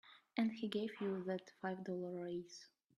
And he gave you that five dollar raise.